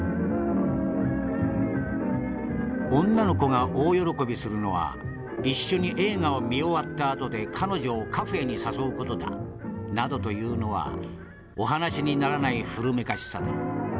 「女の子が大喜びするのは一緒に映画を見終わったあとで彼女をカフェーに誘う事だ」などと言うのはお話にならない古めかしさだ。